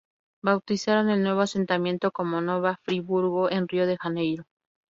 Bautizaron el nuevo asentamiento como Nova Friburgo, en Río de Janeiro.